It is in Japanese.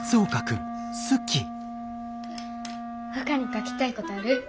ほかに書きたいことある？